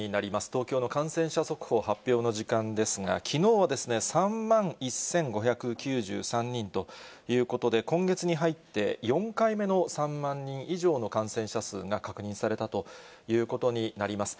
東京の感染者速報発表の時間ですが、きのうは３万１５９３人ということで、今月に入って、４回目の３万人以上の感染者数が確認されたということになります。